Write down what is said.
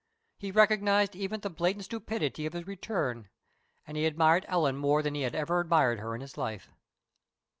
He recognized even the blatant stupidity of his return, and he admired Ellen more than he had ever admired her in his life.